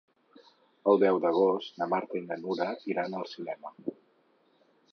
El deu d'agost na Marta i na Nura iran al cinema.